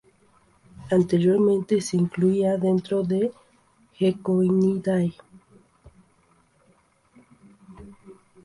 Anteriormente se incluía dentro de Gekkonidae.